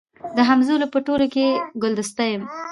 د همزولو په ټولۍ کي ګلدسته یم